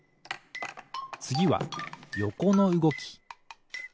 つぎはよこのうごき。